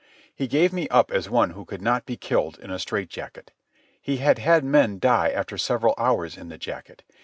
He gave me up as one who could not be killed in a strait jacket. He had had men die after several hours in the jacket.